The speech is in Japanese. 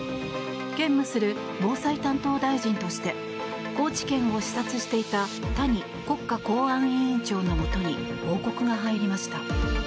兼務する防災担当大臣として高知県を視察していた谷国家公安委員長のもとに報告が入りました。